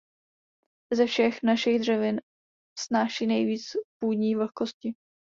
Ze všech našich dřevin snáší nejvíc půdní vlhkosti.